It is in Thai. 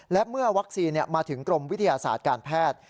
และเมื่อวัคซีนมาถึงกรมวิทยาศาสตร์การแพทย์